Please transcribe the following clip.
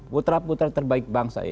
putra putra terbaik bangsa